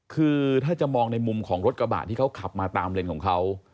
คือถ้าจะมองในมุมของรถกระบะที่เขาขับมาตามเลนของเขา